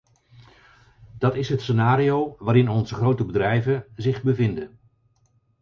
Dat is het scenario waarin onze grote bedrijven zich bevinden.